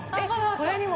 これにも。